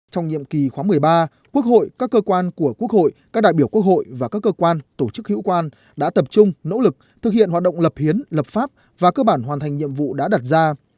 trong nhiệm kỳ khóa một mươi ba quốc hội các cơ quan của quốc hội các đại biểu quốc hội và các cơ quan tổ chức hữu quan đã tập trung nỗ lực thực hiện hoạt động lập hiến lập pháp và cơ bản hoàn thành nhiệm vụ đã đặt ra